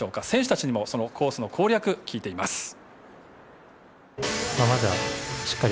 選手たちにもそのコースの攻略聞いています。